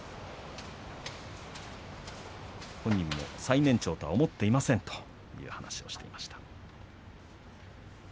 本人も最年長とは思っていませんという話をしていました。